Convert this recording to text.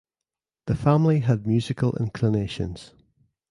The family had musical inclinations.